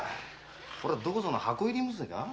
俺はどこぞの箱入り婿か？